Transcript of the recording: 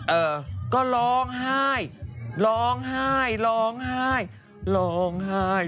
เออก็ร้องไห้ร้องไห้ร้องไห้ร้องไห้